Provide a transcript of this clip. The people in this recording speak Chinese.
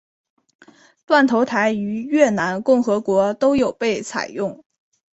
断头台于越南共和国都有被采用。